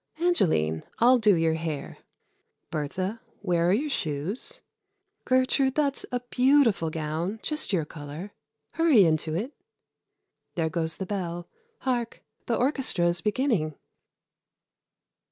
Angeline, I'll do your hair. Bertha, where are your shoes? Gertrude, that's a beautiful gown just your color. Hurry into it. There goes the bell. Hark! the orchestra is beginning."